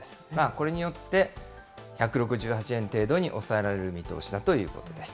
これによって、１６８円程度に抑えられる見通しだということです。